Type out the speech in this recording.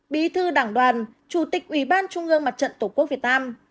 bí thư đảng đoàn chủ tịch ủy ban trung ương mặt trận tổ quốc việt nam